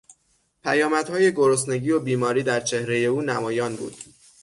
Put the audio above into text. پیامدهای گرسنگی و بیماری در چهرهی او نمایان بود.